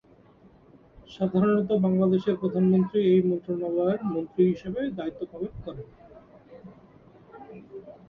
সাধারনত বাংলাদেশের প্রধানমন্ত্রী এই মন্ত্রণালয়ের মন্ত্রী হিসেবে দায়িত্ব পালন করেন।